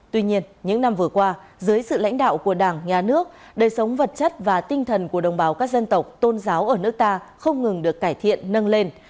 tuy nhiên những năm vừa qua dưới sự lãnh đạo của đảng nhà nước đời sống vật chất và tinh thần của đồng bào các dân tộc tôn giáo ở nước ta không ngừng được cải thiện nâng lên